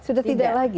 sudah tidak lagi